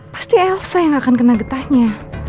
pasti elsa yang akan kena getahnya